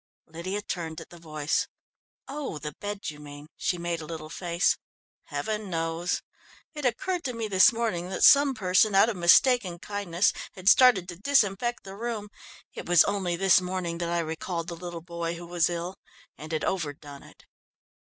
Lydia turned at the voice. "Oh, the bed you mean," she made a little face. "Heaven knows. It occurred to me this morning that some person, out of mistaken kindness, had started to disinfect the room it was only this morning that I recalled the little boy who was ill and had overdone it."